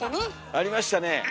ありましたね。